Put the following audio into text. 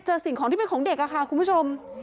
สิ่งของที่เป็นของเด็กค่ะคุณผู้ชม